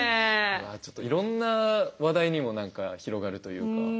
うわちょっといろんな話題にも何か広がるというか。